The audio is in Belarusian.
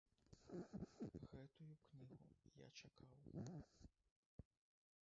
Гэтую кнігу я чакаў.